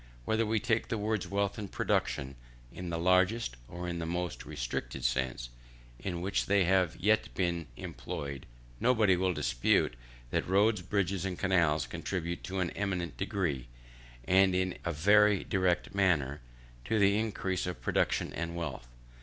Whether we take the words wealth and production in the largest, or in the most restricted sense in which they have ever yet been employed, nobody will dispute that roads, bridges, and canals, contribute in an eminent degree, and in a very direct manner, to the increase of production and wealth.